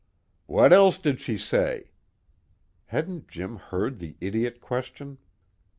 "What else did she say?" Hadn't Jim heard the idiot question?